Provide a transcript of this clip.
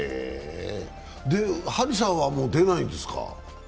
張さんはもう出ないんですか？